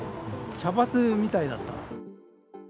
茶髪みたいだった。